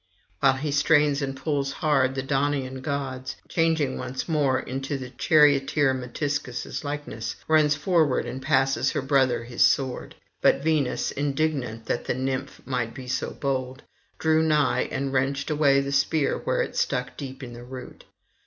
While he strains and pulls hard, the Daunian goddess, changing once more into the charioteer Metiscus' likeness, runs forward and passes her brother his sword. But Venus, indignant that the [787 818]Nymph might be so bold, drew nigh and wrenched away the spear where it stuck deep in the root.